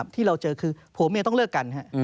ที่เราเจอคือผัวเมียต้องเลิกกัน